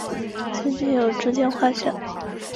四壁有诸天画像。